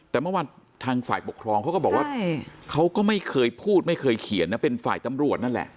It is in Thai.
แต่เมื่อวานทางฝ่ายปกครองเขาก็บอกว่าเขาก็ไม่เคยพูดไม่เคยเขียนนะเป็นฝ่ายตำรวจนั่นแหละ